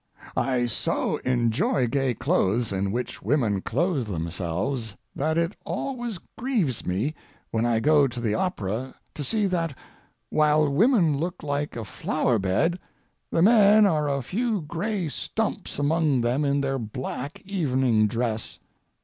I so enjoy gay clothes in which women clothe themselves that it always grieves me when I go to the opera to see that, while women look like a flower bed, the men are a few gray stumps among them in their black evening dress.